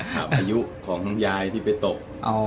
อายุของยายที่ไปตก